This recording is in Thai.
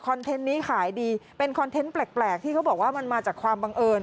เทนต์นี้ขายดีเป็นคอนเทนต์แปลกที่เขาบอกว่ามันมาจากความบังเอิญ